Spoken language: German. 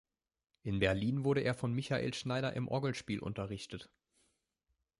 In Berlin wurde er von Michael Schneider im Orgelspiel unterrichtet.